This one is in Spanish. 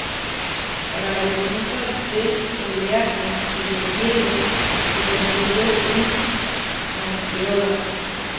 Para la defensa del oleaje y del hielo, se construyó un rompeolas.